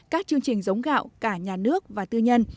các chương trình giống gạo cả nhà nước và tư nhân